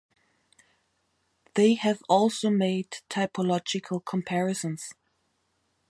They have also made typological comparisons.